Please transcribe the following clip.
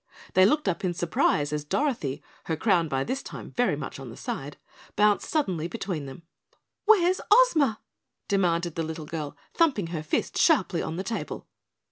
They looked up in surprise as Dorothy, her crown by this time very much on the side, bounced suddenly between them. "Where's Ozma?" demanded the little girl, thumping her fist sharply on the table.